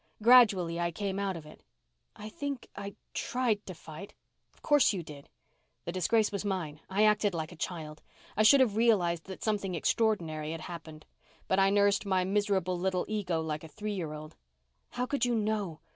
Gradually, I came out of it." "I think I tried to fight." "Of course, you did. The disgrace was mine. I acted like a child. I should have realized that something extraordinary had happened. But I nursed my miserable little ego like a three year old." "How could you know?